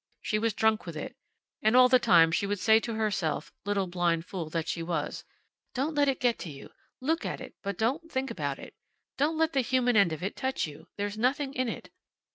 She was drunk with it. And all the time she would say to herself, little blind fool that she was: "Don't let it get you. Look at it, but don't think about it. Don't let the human end of it touch you. There's nothing in it."